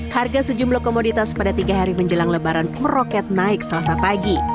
harga sejumlah komoditas pada tiga hari menjelang lebaran meroket naik selasa pagi